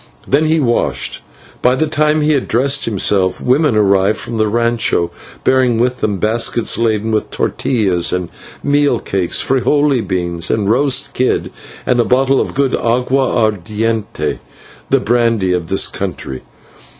Then he washed, and by the time he had dressed himself, women arrived from the /rancho/ bearing with them baskets laden with /tortillas/ or meal cakes, /frijole/ beans, a roast kid, and a bottle of good /agua ardiente/, the brandy of this country.